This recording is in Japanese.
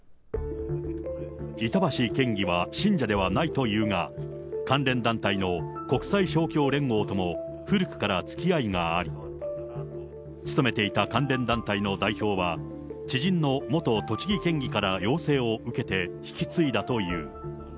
板橋県議は信者ではないというが、関連団体の国際勝共連合とも古くからつきあいがあり、務めていた関連団体の代表は、知人の元栃木県議から要請を受けて引き継いだという。